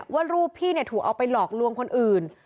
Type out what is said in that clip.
ว่ารูปพี่ถูกเอาไปหลอกลวงคนอื่น